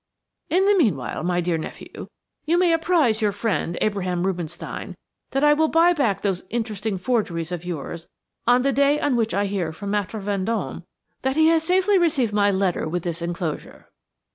In the meanwhile, my dear nephew, you may apprise your friend, Abraham Rubinstein, that I will buy back those interesting forgeries of yours on the day on which I hear from Maître Vendôme that he has safely received my letter with this enclosure."